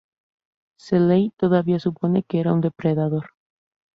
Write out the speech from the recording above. Seeley todavía supone que era un depredador.